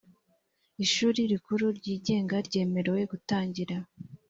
ishuri rikuru ryigenga ryemerewe gutangira